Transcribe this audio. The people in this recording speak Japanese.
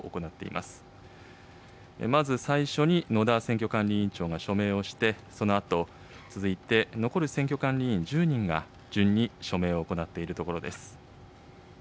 まず最初に野田選挙管理委員長が署名をして、そのあと、続いて残る選挙管理委員１０人が、順に署名を行っているところです。